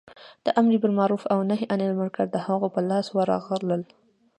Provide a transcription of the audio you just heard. د امر بالمعروف او نهې عن المنکر د هغو په لاس ورغلل.